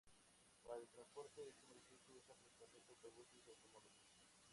Para el transporte, este municipio usa principalmente autobuses y automóviles.